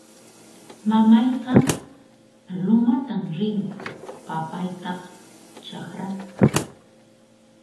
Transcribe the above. Mamayqa lumatan rin; papaytaq chakrata